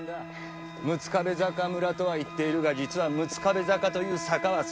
六壁坂村とは言っているが実は六壁坂という坂は存在しない。